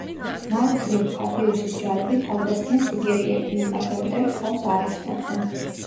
მარჯვნივ ფაბიუსის ჯარები თავდასხმებს იგერიებდნენ, მაგრამ მტერს თავს არ ესხმოდნენ.